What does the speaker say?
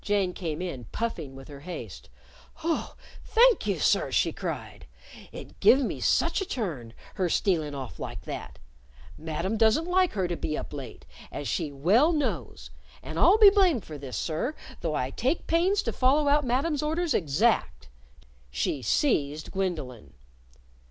Jane came in, puffing with her haste. "Oh, thank you, sir," she cried. "It give me such a turn, her stealin' off like that! Madam doesn't like her to be up late, as she well knows. And I'll be blamed for this, sir, though I take pains to follow out Madam's orders exact," She seized Gwendolyn.